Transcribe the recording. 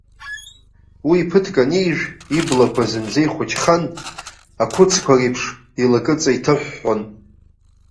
Уи ԥыҭк анижә, иблақәа зынӡа ихәыҷхан, ақәыцқәа реиԥш илакыҵа иҭыҳәҳәон.